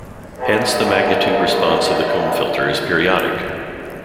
Hence the magnitude response of the comb filter is periodic.